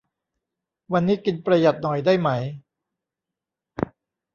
วันนี้กินประหยัดหน่อยได้ไหม